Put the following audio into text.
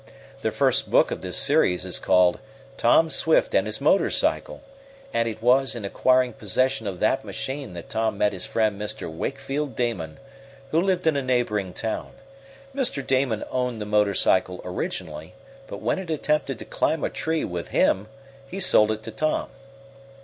The first book of this series is called "Tom Swift and His Motor Cycle," and it was in acquiring possession of that machine that Tom met his friend Mr. Wakefield Damon, who lived in a neighboring town. Mr. Damon owned the motor cycle originally, but when it attempted to climb a tree with him he sold it to Tom.